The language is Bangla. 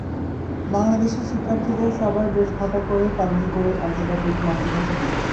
বাংলাদেশি শিক্ষার্থীদের সবাই বেশ ঘটা করেই পালন করি আন্তর্জাতিক মাতৃভাষা দিবস।